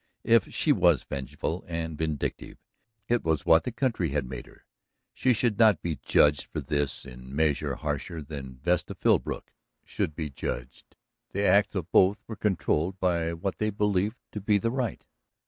If she was vengeful and vindictive, it was what the country had made her. She should not be judged for this in measure harsher than Vesta Philbrook should be judged. The acts of both were controlled by what they believed to be the right.